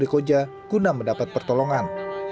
koja guna mendapat pertolongan